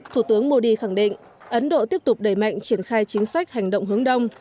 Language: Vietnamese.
thủ tướng modi khẳng định ấn độ tiếp tục đẩy mạnh triển khai chính sách hành động hướng đông